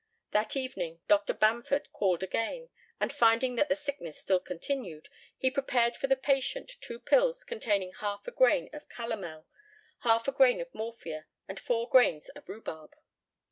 That evening Dr. Bamford called again, and finding that the sickness still continued he prepared for the patient two pills containing half a grain of calomel, half a grain of morphia, and four grains of rhubarb.